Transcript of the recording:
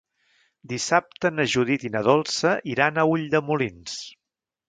Dissabte na Judit i na Dolça iran a Ulldemolins.